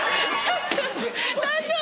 大丈夫？